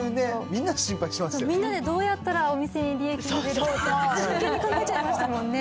みんなでどうやったら、お店に利益が出るか真剣に考えちゃいましたもんね。